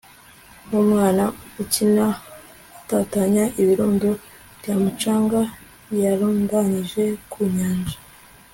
Nkumwana ukina atatanya ibirundo byumucanga yarundanyije ku nyanja